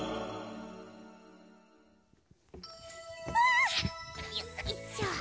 あ！よっこいしょ。